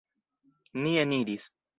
Ni eniris.